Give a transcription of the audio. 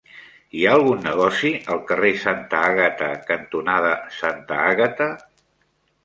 Hi ha algun negoci al carrer Santa Àgata cantonada Santa Àgata?